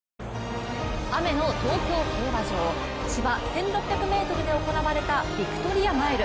雨の東京競馬場、芝１６００ｍで行われたヴィクトリアマイル。